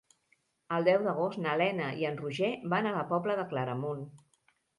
El deu d'agost na Lena i en Roger van a la Pobla de Claramunt.